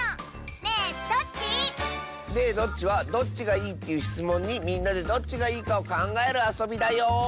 「ねえどっち？」は「どっちがいい？」っていうしつもんにみんなでどっちがいいかをかんがえるあそびだよ。